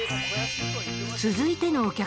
続いてのお客様は？